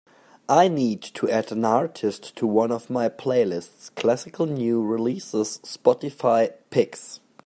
I need to add an artist to one of my playlists, Classical New Releases Spotify Picks.